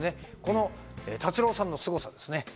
達郎さんのすごさですね。